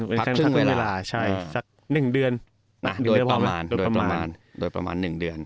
เป็นแค่พักเวลาใช่สักหนึ่งเดือนอ่าโดยประมาณโดยประมาณโดยประมาณหนึ่งเดือน